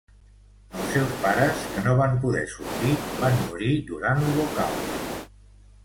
Els seus pares, que no van poder sortir, van morir durant l'Holocaust.